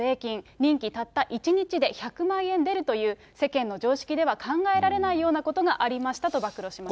任期たった１日で１００万円出るという、世間の常識では考えられないようなことがありましたと暴露しまし